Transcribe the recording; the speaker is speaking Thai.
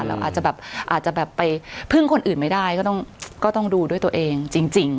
เราอาจจะแบบอาจจะแบบไปพึ่งคนอื่นไม่ได้ก็ต้องดูด้วยตัวเองจริง